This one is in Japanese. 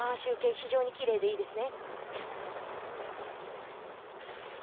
非常にきれいでいいですね。